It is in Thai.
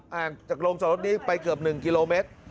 ห่างจากโรงจอดรถนี้ไปเกือบ๑กิโลเมตร